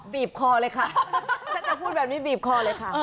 บีบคอเลยค่ะถ้าจะพูดแบบนี้บีบคอเลยค่ะ